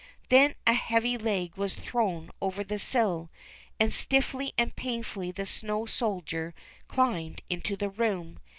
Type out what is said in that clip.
Then a heavy leg was thrown over the sill, and stiffly and painfully the snow soldier climbed into the room.